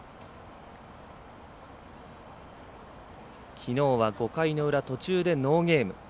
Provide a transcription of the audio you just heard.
きのうは５回の裏途中でノーゲーム。